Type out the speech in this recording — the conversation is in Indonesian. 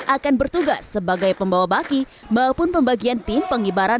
akan bertugas sebagai pembawa baki maupun pembagian tim pengibaran